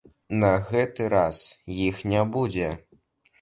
На гэты раз іх не будзе.